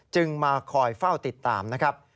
มาคอยเฝ้าติดตามนะครับ